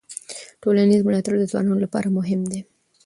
ټولنیز ملاتړ د ځوانانو لپاره مهم دی.